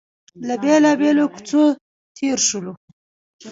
له بېلابېلو کوڅو تېر شولو.